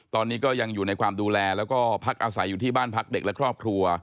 ตอนนี้ก็ยังอยู่ในความดูแลแล้วก็พักอาศัยอยู่ที่บ้านพักเด็กและครอบครัว